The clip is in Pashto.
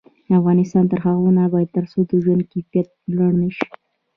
افغانستان تر هغو نه ابادیږي، ترڅو د ژوند کیفیت لوړ نشي.